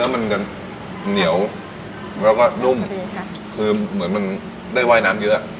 เนื้อมันกันเหนียวแล้วก็นุ่มคือเหมือนมันได้ว่ายน้ำเยอะ